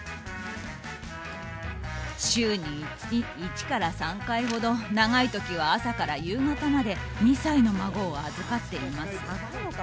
週に１３回ほど長い時は朝から夕方まで２歳の孫を預かっています。